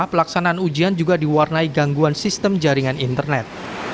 pelaksanaan ujian juga diwarnai gangguan sistem jaringan internet